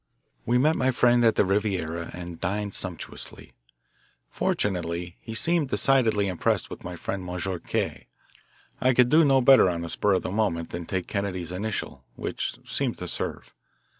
We met my friend at the Riviera and dined sumptuously. Fortunately he seemed decidedly impressed with my friend Monsieur Kay I could do no better on the spur of the moment than take Kennedy's initial, which seemed to serve.